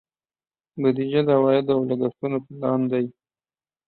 بودیجه د عوایدو او لګښتونو پلان دی.